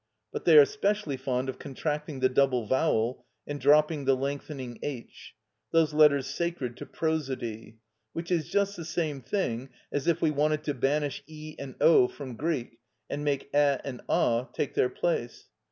But they are specially fond of contracting the double vowel and dropping the lengthening h, those letters sacred to prosody; which is just the same thing as if we wanted to banish η and ω from Greek, and make ε and ο take their place.